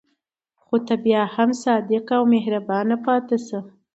خو ته بیا هم صادق او مهربان پاتې شه.